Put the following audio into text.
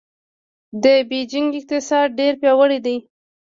د بېجینګ اقتصاد ډېر پیاوړی دی.